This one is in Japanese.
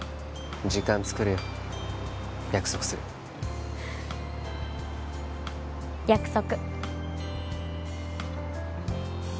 時間つくるよ約束する約束